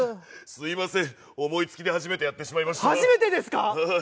すいません思いつきで初めてやってしまいました。